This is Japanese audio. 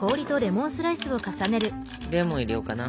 レモン入れようかな。